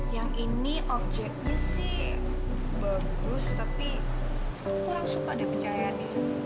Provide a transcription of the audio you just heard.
yang ini objeknya sih bagus tapi kurang suka deh pencahayaannya